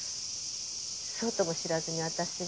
そうとも知らずに私は。